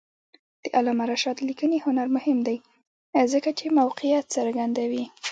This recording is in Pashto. د علامه رشاد لیکنی هنر مهم دی ځکه چې موقعیت څرګندوي.